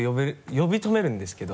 呼び止めるんですけど。